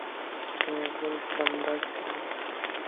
সে একজন প্লাম্বার ছিলো।